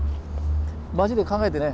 マジで考えてね。